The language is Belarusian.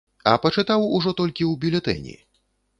А пачытаў ужо толькі ў бюлетэні.